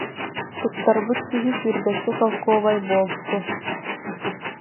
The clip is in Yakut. Туттар- быт киһи сүүрбэччэ солкуобай буолсу